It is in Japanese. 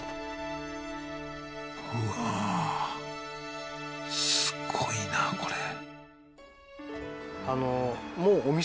うわすごいなこれ。